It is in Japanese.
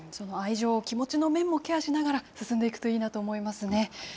愛情、気持ちの面もケアしながら、進んでいくといいなと思いますね。